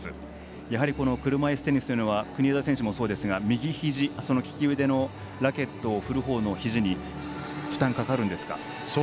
やはり車いすテニスというのは国枝選手もそうですが右ひじ、利き腕のラケットを振るほうのひじに負担がかかるんですか。